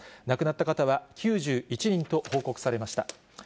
亡くなった方は９１人と報告されました。